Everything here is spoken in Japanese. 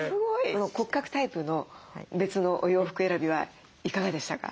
この骨格タイプの別のお洋服選びはいかがでしたか？